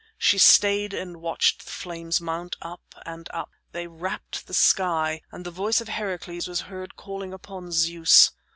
She stayed and watched the flames mount up and up. They wrapped the sky, and the voice of Heracles was heard calling upon Zeus.